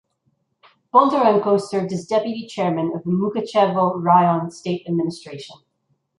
Bondarenko served as Deputy Chairman of the Mukachevo Raion State Administration.